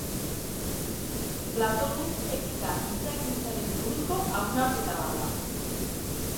Platonen etika giza-ekintzaren buruzko hausnarketa bat da.